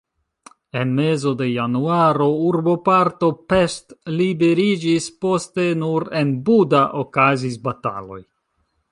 En mezo de januaro urboparto Pest liberiĝis, poste nur en Buda okazis bataloj.